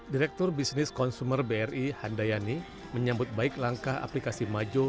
direktur bisnis konsumer bri handayani menyambut baik langkah aplikasi majo